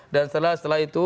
dan setelah itu